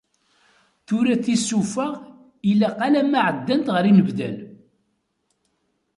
Tura tisufaɣ ilaq alamma εeddant ɣef inedbal.